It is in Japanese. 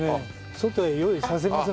外へ用意させますので。